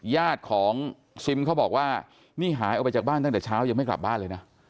ญาติของซิมเขาบอกว่านี่หายออกไปจากบ้านตั้งแต่เช้ายังไม่กลับบ้านเลยนะ